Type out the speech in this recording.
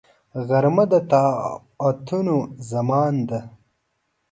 غرمه د طاعتونو زمان ده